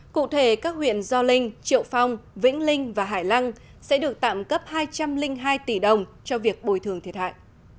cụ thể các huyện do linh triệu phong vĩnh linh và hải lăng sẽ được tạm cấp hai trăm linh hai tỷ đồng cho việc bồi thường thiệt hại